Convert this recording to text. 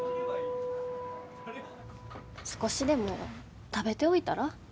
少しでも食べておいたら？